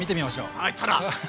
はいたら！